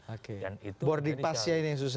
oke boarding pass nya ini yang susah